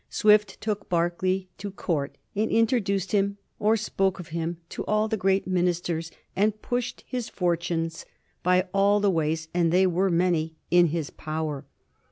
Swift took Berkeley to Court, and introduced him or spoke of him to all the great ministers, and pushed his fortunes by all the ways — and they were many — in his power.